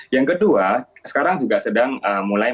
yang kedua sekarang juga sedang mulai marak yang lain